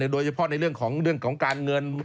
โดยเฉพาะในเรื่องของการเงิน